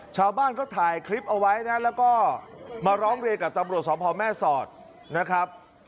ชาวบ้านก็ถ่ายคลิปเอาไว้นะแล้วก็มาร้องเรียนกับตำรวจสมพแม่สอดนะครับ